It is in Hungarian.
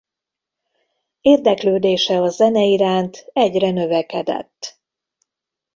Érdeklődése a zene iránt egyre növekedett.